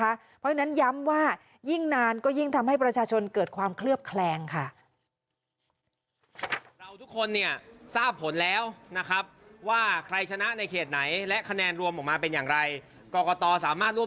เพราะฉะนั้นย้ำว่ายิ่งนานก็ยิ่งทำให้ประชาชนเกิดความเคลือบแคลงค่ะ